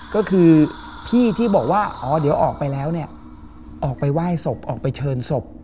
ก็คือพี่ที่บอกว่าอ๋อเดี๋ยวออกไปแล้วเนี่ยออกไปไหว้ศพออกไปเชิญศพ